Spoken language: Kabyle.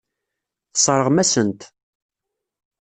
Tesseṛɣem-asen-t.